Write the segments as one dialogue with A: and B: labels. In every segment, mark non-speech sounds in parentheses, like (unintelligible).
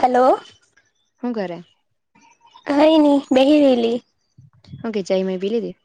A: Hello.
B: હું કરે
A: કંઈ નહી બેહી રહેલી.
B: ઓકે (unintelligible) પી લીધી?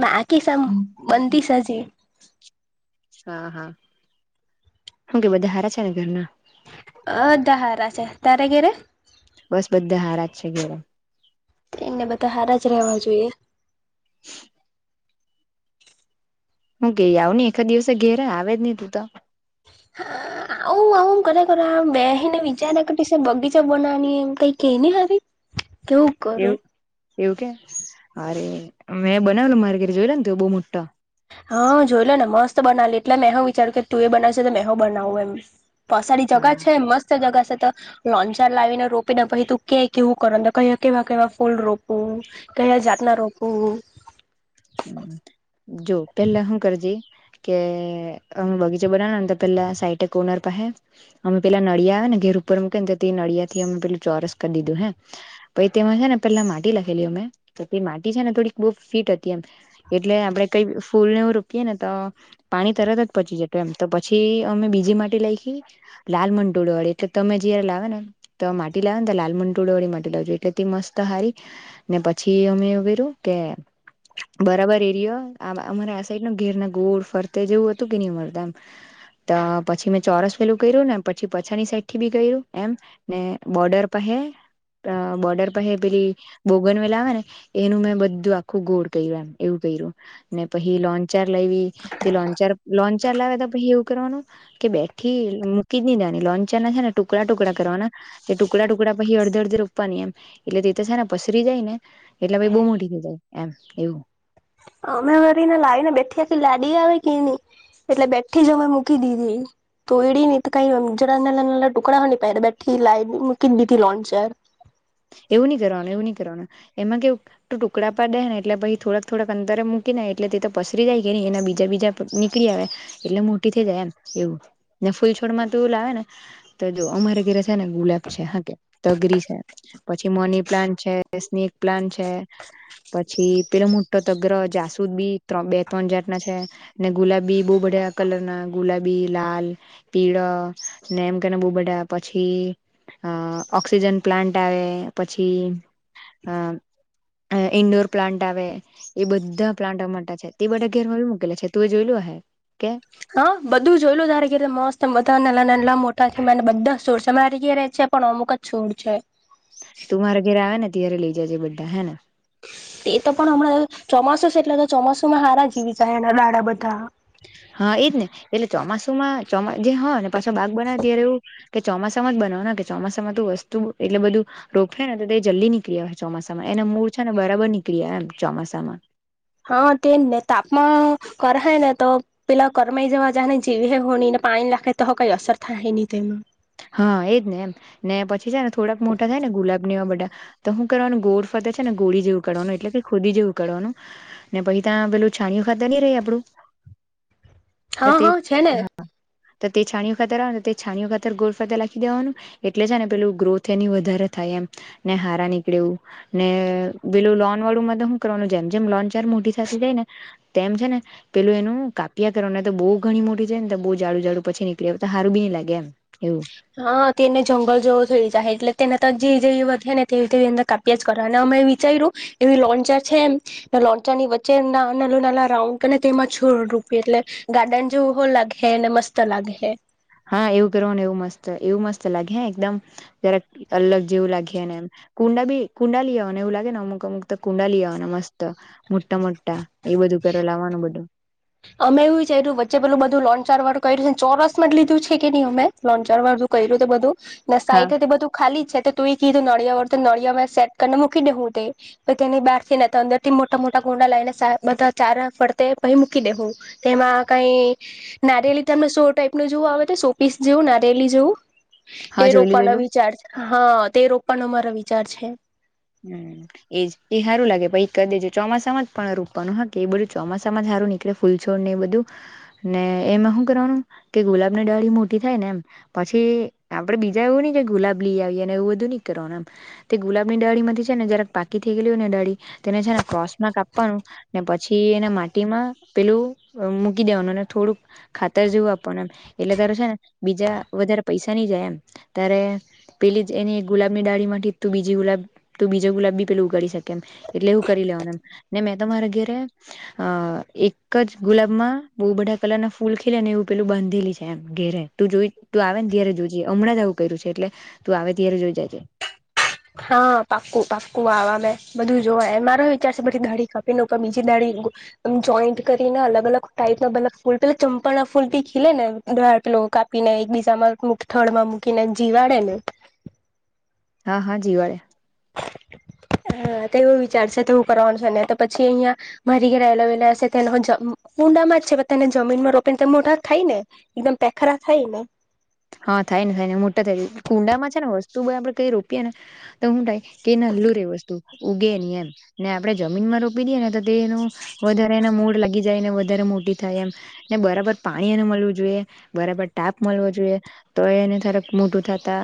A: નાખી સામ બનતીશ હજી.
B: હા, હા. હું કે બધા હારા છે ને ઘરના?
A: અધા હારા છે. તારે ઘેરે?
B: બસ બધા હારાજ છે ઘેરે.
A: એમને બધા હારા જ રહેવા જોઈએ.
B: (inaudible) હું કેઈ આવ ને એકા દિવસે ઘેરે, આવે જ નહી તું તો.
A: આવું-આવું કર કરા મે હેને વિચારે કરતી સે બગીચા બનાવની એમ કઈક કે ને હારી.
B: (inaudible)
A: કેવું કરો?
B: એવું એવું કે, અરે મેં બનાવેલું (unintelligible) તે જોયેલા ને બહુ મોટા.
A: હા જોઈ લે ને મસ્ત બનાલી એટલે મેં હું વિચાર્યું કે તું એ બનાવીશે તો મે હું બનાવું એમ. પસાડી જગા
B: હા
A: છે મસ્ત જગા છ છે, તો લોંચાર લાવીને રોપી દે, પછી તું કે હું કરવાનું, તો કહે કેવા-કેવા ફૂલ રોપું. કહેયા જાત ના રોપું
B: જો પેલા હું કરજે કે અમે બગીચે બનાવે ને તો પેલા સાઈટે કોર્નર પાહે અમે પેલા નળિયા આવે ને ઉપર મૂકે ને તો તે નળિયા થી અમે પેલું ચોરસ કર દીધું હે. પહી તેમાં હે ને પેલા માટી લખેલી અમે તો તે માટી છે ને થોડીક બહુ ફીટ હત તી એમ એટલે આપડે કઈ ફૂલ ને રોપીએ ને તો પાણી તરત જ પચી જતું એમ. તો પછી ઈ અમે બીજી માટી લયખી લાલ મંટોળ વાળી એટલે તમે જયારે લાવે ને તો માટી લાવે ને તો લા લાલ મંટોળવાળી માટી લાવજો એટલે તે મસ્ત હારી ને પછી અમે એવું કર્યું કે બરાબર એરિયો આ અમારે આ સાઈડ ની ઘેર ના ગોળ ફરતે જેવું હતું કે નહ મરતા એમ. તો પછી મેં ચોરસ વેલું કર્યું ને પછી પછાની સાઈડ થી બી કયરું એમ, ને બોર્ડર પાહે હે બોર્ડર પાહે પેલી બોગન વેલા આવે ને એનું મેં બધું આખું ગોળ કયરું એમ એવું કયરું, ને પહી લોંચાર લાઈવી, તે લોંચાર-લોંચાર લાયવા તો પહી એવું કરવાનું કે બેઠી મૂકી જ ની દેવાની લોંચાર ના છે ને ટુકડા-ટુકડા કરવાના. એ ટુકડા-ટુકડા પહી અડધે-અડધે રોપવાની એમ, એટલે તે તો છે ને પસરી જાય ને એટલે પહી બહુ મોટી થઈ જાય એમ. એવું.
A: અમે વળીને લાઈ ને બેઠિયે કે લાડી આવે કે નહીં. એટલે બેઠી જ અમે મૂકી દીધી. તો (unintelligible) જરા નાના-નાના ટુકડા (unintelligible) બેઠી લાઈટ (unintelligible)
B: (inaudible) એવું નહી કરવાનું, એવું નહી કરવાનું. એમાં કેવુ તું ટુકડા પર દે હે ને એટલે પહી થોડાક-થોડાક અંદર મૂકી ને એટલે તે તો પસરી જાય કે નહી એના બીજા-બીજા નીકળી આવે એટલે મોટી થઈ જાય એમ એવું. ને ફૂલ છોડ માં તું લાવે ને તો જો અમારે ઘીરે છે ને ગુલાબ છે, હા કે તગરી છે પછી મની પ્લાન્ટ છે, સ્નેક પ્લાન્ટ છે. પછી પેલો મોટો તગ્ર જાસુદ બી ત્ર બે ત્રણ જાત ના છે, ને ગુલાબી બહુ બ બધા કલર ના ગુલાબી, લાલ, પીળો ને એમ કેને બહું બધા પછી અહ ઓક્સિજન પ્લાન્ટ આવે, પછી અહ અહ ઈન્ડોર પ્લાન્ટ આવે, એ બધા પ્લાન્ટના માટે છે. તે બધા ઘેર વા મૂકેલા છે તું એ જોયેલું હે. કે
A: હા બધું જોઈ લો તારે કેટલે મસ્ત બધા નાનલા મોટા (unintelligible) પણ અમુક જ છોડ છે.
B: ઘેરે લઈ જાજે બધાં હે ને.
A: એ તો પણ હમણાં ચોમાસુ સે એટલે તો ચોમાસુમાં હારા જીવી જાય એમ એના દાડા બધ ધા.
B: હા એજ ને એટલે ચોમાસુમાં ચો જે હો ને પાછો બાગ બનાવે ત્યારે એવું કે ચોમાસામાં જ બનાવનો કે ચોમાસામાં તું વસ્તુ એટલે બધું રોકે ને તો તે જલ્દી નીકળી આવે ચોમાસામાં. એના મૂળ છે ને બરાબર નીકળી આવે એમ ચોમાસામાં.
A: હા તે જ ને. તાપમા કરહાય ને તો પેલા કરમાઈ જવા જાને જીવી હે હોણીના પાણી લખાય તો હ કઈ અસર થાય નહી તેમાં.
B: હા એજ ને એમ. ને પછી છે ને થોડાક મોટા થાય ને ગુલાબ ને એવા બધા, તો હું કરવાનું ગોળ ફ રતે છે ને ગોળી જેવું કરવાનું એટલે કે ખોદી જેવું કરવાનું, ને પછી ત્યા પેલું છાણ્યું ખાતર નઈ રહે આપડું (inaudible)
A: હા,
B: તે
A: હા છે ને.
B: તો તે છાણ્યું ઓ ખાતર આવે ને તો તે છાણ્યું ખાતર ગોલ ફરતે લાખી દેવાનું, એટલે છે ને પેલું ગ્રોથ એની વધારે થા હાઈ એમ ને હારા નીકળે એવુ ને પેલું લોન વાળું મતલબ હું કરવાનું જેમ જેમ લોન થ જાયને તેમ છે ને પેલું એનું કાપિયા કરવા ને તો બઉ ઘણી મોટી થાય ને તો બ જાાડુ જાાડું પછી નીકળે તો હારું બી નઈ લાગે એમ એવું.
A: હા તેને જંગલ જેવો થઈ જાય એટલે તેને ત જે જે વધે ને તે અંદર કાપ્યા જ કરવા વિચાર્યું લોન્ચા ચા છે એ લોન્ચા ની વચ્ચે ના ના રાઉન્ડ કરી ને રૂપ એટલે ગાર્ડન જેવું હો લાગે ને મસ્ત લાગે હે
B: હા એવું કરવાનું ને એવું મસ્ત એવું મસ્ત લાગે એકદમ જ્યારેક અલગ જેવું લાગેને એ કુંડા બી કુંડા લી આવાના એવું લાગે મુકમુક તો કુંડા લી આવાના મસ્ત મોટા મોટા. એ બધું કરે લાવવાનું બધું.
A: અમે એવું વિચાઇરુ વચ્ચે એ પેલું લોંચાર વાળું કર્યું છે ચોરસમાં જ લીધું છે કે નહી અમે લોનચાર વાળું કર્યું બધું
B: હા
A: સાઈ બધું ખાલી જ છે. તું એ કીધું નળિયા વળ તો નળિયામાં સેટ કરીને મૂકી દે હું તે તેની બહાર થી તો અંદર થી મોટા મોટા કુંડા લઈને બધા ચાર ફડતે ભ દેું તેમાં કઈ નારેયલી તમને શો ટાઈપ ન જેવું આવે તો શો પીસ જેવું નારેલી જો
B: હા
A: એ
B: જોયલું
A: રોપાનો
B: જોયલું
A: વિચાર હા તે રોપાનો અમારા વિચાર છે
B: હમ્મ એજ એ સારું લાગે પ ક દે ચોમાસામાં જ પણ રોકવાનું હ એ બધું ચોમાસામાં જ નીકળે ફૂલ છોડ ને એ બધું ને એમાં હું કરવાનું કે ગુલાબની ડાળી મોટી થાય ને એમ પછી આપડે બીજા એવું નઈ કે ગુલાબ લી આવીએને એવું બધું નહી કરવાનું એમ તે ગુલાબ ની ડાળીમાં છે ને જ્યારેક પાકી થઈ ગયેલી હોય ને ડાડી તેને છે ને ક્રોસમાં કાપવાનું ને પછી એને માટીમાં પેલું મૂકી દેવાનું ને થોડુંક ખાતર જેવું આપવાનું એમ એટલે તારું છે ને બીજા વધારે પૈસા નહી જાય એમ ત્યારે પેલી જ એની ગુલાબની ડાળી માંથી ત બીજી ગુલાબ તો બીજા ગુલાબ બી ઉગાડી શકે એમ એટલે હું કરી લેવાનુંમ ને મેં તમારા ઘેરે અ એક જ ગુલાબમાં બહુ બધા કલર ના ફૂલ ખીલે ને એવું પેલું બાંધેલી છે એમ ઘેરે તું જોઈ તું આવે ને ત્યારે જોઈ જે હમણાં જ આવું કર્યું છે એટલે તું આવે ત્યારે જોઈ જજે
A: હા પાક્કુ પાક્કુ આવા મેં બધું જોવા મારો વિચાર છે બધી દાડી ખપીને પણ બીજી દાઢી જોઈન્ટ કરીને અલગ-અલગ ટાઈપ ફૂલ પેલા ચંપા ના ફૂલી ખીલે ને કાપીને એક બીજામાં થળમાં મૂકીને જીવાડે ને
B: હા હા જીવાળ્યા
A: હા તો એવું વિચાર છે તો હું કરવાનું છ તો પછી અહિયાં મરી ગયલાલા હશે તેનો ઊંડામાં જ છે તેને જમીનમાં રોપી ને તો મોઢા થાય ને એકદમ પેખરા થાય ને
B: હા થાય ને થાય ને મોટા થાય કુંડામાં છે ને વસ્તુ આપડે કઈ રોપીએે ને તો હું થાય કે નલું રે એ વસ્તુ ઉગેની એમ ને આપણેે જમીનમાં રોપી દઈએ ને વધારે મૂળ લાગ જાય ને વધારે મોટી થાય એમ ને બરાબર પાણીન એને મળવું જોઈએ બરાબર ટાપ મળવો જોઈએ તો એને થારક મોટું થતા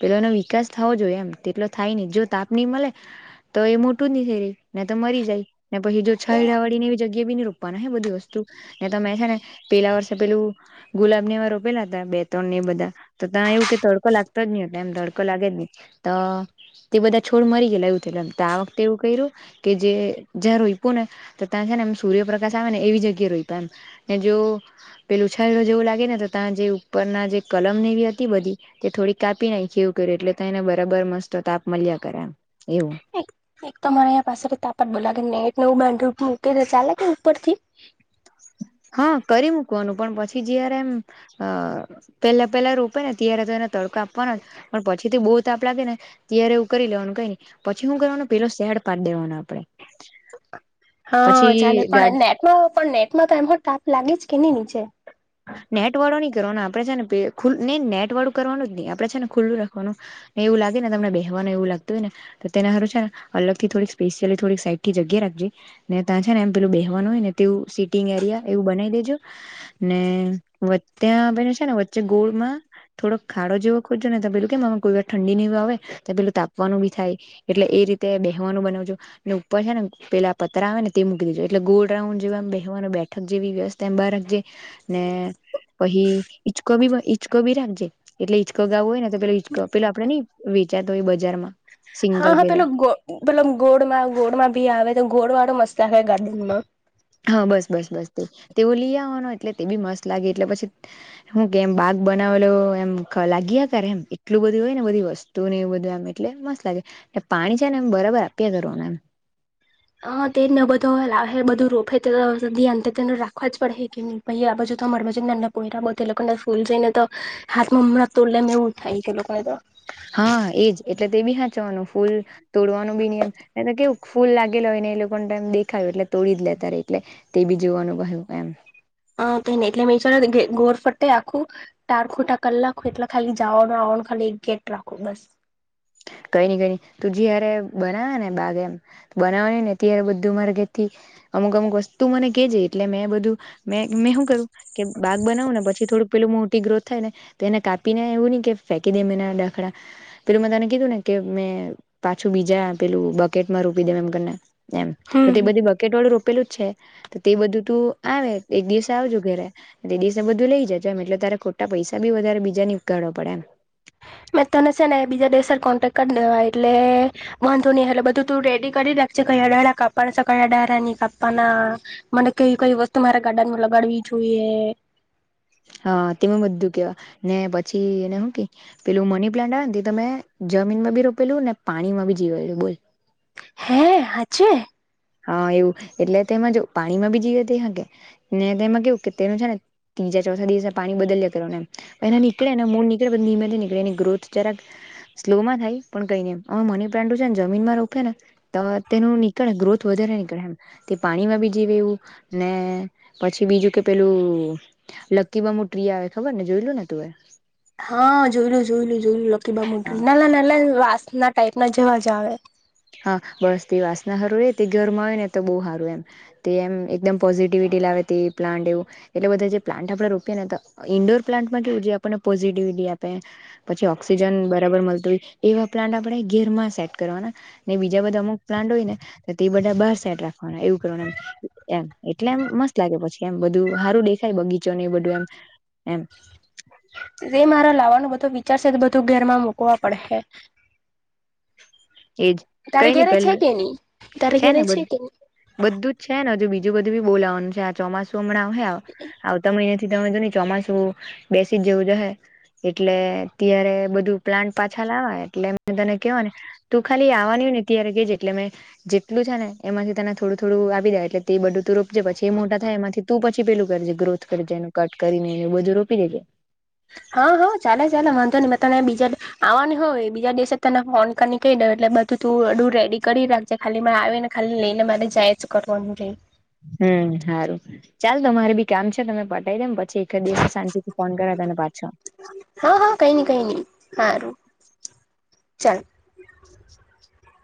B: પેલો એનો વિકાસ થવો જોઈએ એમ તેટલો થાય નહી જો તાપની મળે તો એ મોટું ન થઈ રહી ને તો મરી જાય ને પછી જો છાયડા વાળી ને એવી જગ્યા બી રો હ બધી વસ્તુ તમે છે ને પેલા વર્ષે પેલું ગુલાબ ને એ રોપેલા હતા બે તો એ બધા તો ત્યાં એવું કે તડકો લાગતો જ નહી એટલે એમ તડકો લાગે જ નહી તો તે બધા થોડ મરી ગયે એવું થયમ તો આ વખતે એવું ક્યું કે જે જ્યાં રોઈ્યું ને તો ત્યાં છે ને સર્ય પ્રકાશ આવે ને એવી જગ્યાએ ર પ એમ ને જો પેલ ઉછાયેલો જેવું લાગે ને તો ત્યાં જે ઉપર ના જે કલમ એવી હતી બધી તે થોડી કાપી નાખી એવું કર્યું એટલે ત એને બરાબર મસ્ત તાપ મળ્યા કરે એમ એવું
A: એક એક તો મારે અં પાસે તાપ જ બો લાગે ને એક તો એવુ બાંધું હ કે ચાલે કે ઉપર થી
B: (inaudible) હા કરી મૂકવાનું પણ પછી જયારે એમ પેલા પેલા રોપે ને ત્યારે તો એને તડકા આપવાનો પણ પછી થી બહુ તાપ લાગે ને ત્યારે એવું કરી લેવાનું કઈ ન પછી હું કરવાનું પેલો ખેડ પરડ હોને આપણે
A: હા ચાલે
B: ગાડ
A: પણ નેટમાં પણ નેટ માં તો એમ તાપ લાગી જ કે નહી નીચે
B: નેટ વાળો નની કરવાનો આપડે છે પ ખુલ ની નેટ વાળું કરવાનું જ ની આપડે છે ને ખુલ્લું રાખવાનું ને એવું લાગેને બેહવાનું એવું લાગતુ હો ને તેને હારુ છે ને અલગથી થોડીક સ્પેશિયલી થોક સાઈડ થી જગ્યા રા ને ત્યાં છે ને એમ પેલું બેહવાનું હોય ને તો સીટિંગ એરિયા એવું બનાવી દેજો ને વત્તા પેલું છે ને વચ્ચે ગોળમાં થોડો ખાડો જેવો ખોજો ને પેલું કેમ આમાં કોઈ વાર ઠં નિનિંગ ત પેલું તાપવાનું બી થાય એટલે એ રીતે બેહેવાનું બનાવજો ને ઉપર હે ને પેલા આ પત્ર આવે ને તે મૂકી દેજો એટલે ગોલ રાઉન્ડ જેવા આમ બેહવા નું બેઠક જેવી વ્યસ્થા બાર રાખજે ને પહી ઈચકો બી ઈચકો બી રાખજે એટલે ઈચકો ગાવો હોય ને તો પે ઈચકો પલા આપડે નઈ વેચાતા હોય બજારમાં
A: હા
B: સિંગલ
A: હા
B: પેલો
A: પેલા ગો પેલા ગોળલા ગોળલા બી આવે તો ગોળ વાળો મસ (unintelligible)
B: હા બસ બસ બસ તે તેઓ લઈ આવવાનો એટલે તે બી મસ્ત લાગે એટલે પછી હું કેમ બા બનાવેલો એમ લાગીયા કરે એમ એટલું બધું હોય ને બધી વસ્તુ ને એવ બધું એમ એટલે મસ્ત લાગે એ પાણી છે ને એમ બરાબર અપીયા કરવાનું એમ
A: હ તે જ બધો લાવહે બધું રોફે તો ધ્યાન તેને રાખવા જ પડહે કે ની પહી આ બાજુ તમારા બાજુ નાનલા પોયરા બધા લોકોને ફૂલ જોઈને તો હાથમાં હમ તોડ લેમ એવું થાય લોકોને તો
B: હા એજ એટલે તે બી હાચવાનું ફૂલ તોડવાનું બી ની એમ તો કેવુ ફૂલ લાગેલા એ લોકોને દેખાયું એટલે તોડી જ લેતા રેય એટલે તે બી જોવાનું પાહુ એમ
A: હા એટલે ગોર ફટે આખું ટારખુટા કર લાખું એટલે ખાલી જાવાનું આવવાનું ખાલી ગેટ રાખો બસ
B: (inaudible) કઈ ની કઈ ની તું જયારે બનાવે ને બાગ એમ બનાવની ને ત્યારે બધું મારા ઘેરથી અમુક અમુક વસ્તુ મને કેજે એટલે મેં બધું મે મેં શું કરું કે બાગ બનાવું ને પછ થોડું પેલું મોટી ગ્રોથ થાય ને તો એને કાપીને એવું નહી કે ફેંકી દેમ એના ડાખડા પેલું મે તને કીધું ને કે મેં પાછું બીજા પેલું બકેટમાં રોપી દેમ એમને કરીને એમ
A: હમ
B: તો
A: હમ
B: તે બધી બકેટ વાળું રો પેલું છે તો તે બધું તું આવે એક દિવસે આવજો ઘરે તે દિવસે બધું લઈ જજો એટલે તા રે ખોટા પૈસા બી વધારે બીજાની કાઢવા પડે એમ
A: મેં તને છે ને એ બીજા દિવસે જ કોન્ટેક્ટ કરી દેવા એટલે વાંધો ની હટલે બધું તું રેડી કરી રાખજે (unintelligible) અડારા ની કાપવાના મને કઈ કઈ વસ્તુ મારા ગાર્ડન માં લગડવી જોઈ કે
B: (inaudible) હા તેમે બધું કેવા ને પછી એને હું કે પેલું મની પ્લાન્ટ આવે તમે જમીનમાં બી રોપેલું ને પાણીમાં બી જીવેલું બોલ
A: હે હાચે
B: હા એવું એટલે તેમાં જો પાણીમાં બી જીવે તે હકે ને તેમાં કેવું કે તેનું છે ને તીજા ચોથા દિવશે પાણી બદલ્યા કરવાનું એમ એને નીકળે ને મુનિ ધીમેથી નીકળે એની ગ્રોથ જકરા સ્લો માં થાય પણ કઈ નહી મની પ્લાન્ટ છે જમીનમાં રોપે છેને તેનું નીકળે ગ્રોથ વધારે નીકળે તે પાણીમાં બી જીવે એવું ને પછી બીજું કે પેલું લકી બમુટ્રી આવે ખબર ને જોયલું ને તું એ
A: હા જોયલું જોયલું જોયલું લકી બમુટ્રી નાનલા નાનલા રા ના ટાઈપ ના જેવા જ આવે
B: હા બસ તે વાસના સારું હારુ તે ઘર માં હોય ને તો બહુ સારું રે એમ તેમ એકદમ પોઝિટીવ (unintelligible) લાવે તેવું પ્લાન્ટ એવુ એટલે બધા જે પ્લાન્ટ આપડે રોપીએ ને ત ઈન્ડોર પ્લાન્ટમાં કેવું જે આપણને પોઝિટીવ આપ પછી ઓક્સિજન બરાબર મળત હોય એવા પ્લાન્ટ આપણેે ઘરમાં સેટ કરવાના ને બીજા બધા અમુક પ્લાન્ટ હોય ને તો તે બધા બાર સેટ રાખવાના એવું કરવાનું એમ એટલે મસ્ત લાગે પછી એમ બધું હારુ દેખાય બગીચો ને એ બધું એમ એમ
A: જે મારા લાવવાનું બધો વિચારશે તો બધું ઘેરમાં મુકવા પડહે
B: એજ કઈ નઈ પે
A: કે નહી તારે
B: છે ને
A: ઘેરે કે
B: બધું જ છે ને હજુ બી એ બધું બી બોલાવાનું છે આ ચોમાસું હમણાં આવહે આવતા મહીનેથી તમે જોની ચોમાસું બેસી જેવું જહે એટલે ત્યારે બધું પ્લાન્ટ પાછા લાવવા એટલે તને કેવા ને તું ખાલી આવવાની હોય ને ત્યારે કેજે એટલે મેં જેટલું છે ને એમાંથી તને થોડું થોડું આપી દેવા એટલે તે બધું તું રોપજે પછી એ મોટા થાય એમાંથી તું પછી પેલું કરજે ગ્રોથ કરજે એનું કટ કરીને એ બધું રોપી દેજે (inaudible)
A: હા હા ચાલે ચાલે વાંધો ની મેં તને બીજા આવની હોય બીજા દિવસ તને ફોન કરીને કહી દેવા એટલે બ તું (unintelligible) રેડી કરી રાખજે ખાલી મારે આવે ને ખાલી લઈને મારે જાયજ કરવાનું રહે
B: હમ્મ હારું ચાલ તો મારે બી કામ છે તમે પટાવી દેવ પ પછી એક દિવસે શાન્તિ થી ફોન કરા તને પાછો
A: હા હા કઈ નઈ કઈ નઈ સારું ચાલ